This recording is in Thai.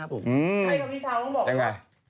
ใช้คำนี้ชาวต้องบอกเลยว่า